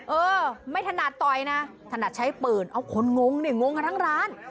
เออไม่ถนัดต่อยนะถนัดใช้ปืนเอาคนงงนี่งงกันทั้งร้าน